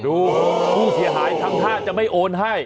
ดูผู้เสียหายทั้ง๕จะไม่โอนให้